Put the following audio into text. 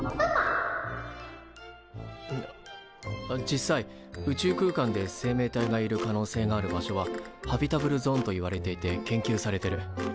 あっ実際宇宙空間で生命体がいる可能性がある場所はハビタブルゾーンといわれていて研究されてる。